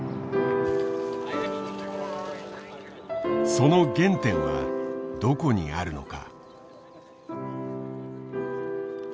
その原点はどこにあるのか？